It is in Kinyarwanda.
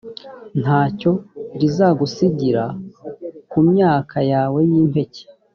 nta cyo rizagusigira ku myaka yawe y’impeke